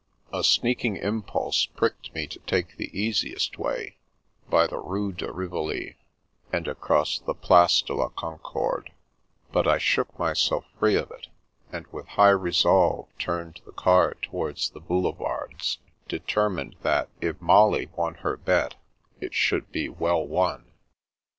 " A sneaking impulse pricked me to take the easiest way, by the Rue de Rivoli, and across the Place de la Concorde, but I shook myself free of it, and with high resolve turned the car towards the Boulevards, determined that, if Molly won her bet, it should be well won.